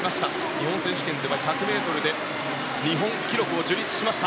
日本選手権では１００ｍで日本記録を樹立しました。